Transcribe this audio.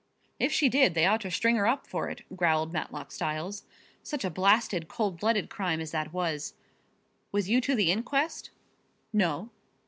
"If she did, they ought to string her up for it," growled Matlock Styles. "Such a blasted, cold blooded crime as that was. Was you to the inquest?" "No."